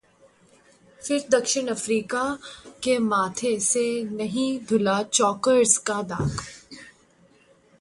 फिर दक्षिण अफ्रीका के माथे से नहीं धुला 'चोकर्स' का दाग